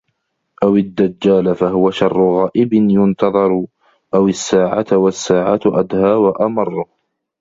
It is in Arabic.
أَوْ الدَّجَّالَ فَهُوَ شَرُّ غَائِبٍ يُنْتَظَرُ أَوْ السَّاعَةَ وَالسَّاعَةُ أَدْهَى وَأَمَرُّ